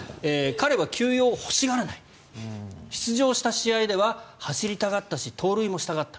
彼は休養を欲しがらない出場した試合では走りたがったし盗塁もしたがった。